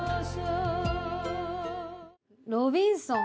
『ロビンソン』。